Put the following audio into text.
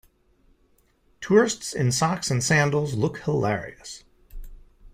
Tourists in socks and sandals look hilarious.